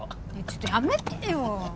ちょっとやめてよ